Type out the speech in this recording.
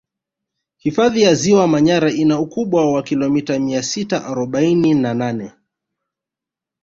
hfadhi ya ziwa manyara ina ukubwa wa kilomita mia sita arobaini na nane